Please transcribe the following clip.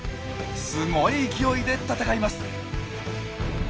すごい勢いで戦います。